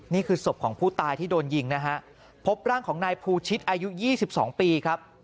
นี่คือศพของผู้ตายที่โดนยิงนะฮะพบร่างของนายภูชิตอายุ๒๒ปีครับ